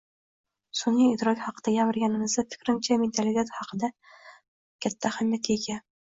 Sunʼiy idrok haqida gapirganimizda, fikrimcha, mentalitet katta ahamiyatga ega.